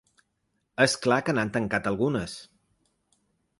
És clar que n’han tancat algunes.